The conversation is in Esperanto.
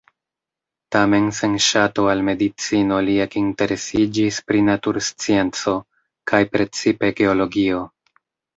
Tamen sen ŝato al medicino li ekinteresiĝis pri naturscienco, kaj precipe geologio.